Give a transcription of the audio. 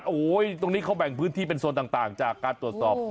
โอ้โหตรงนี้เขาแบ่งพื้นที่เป็นโซนต่างจากการตรวจสอบ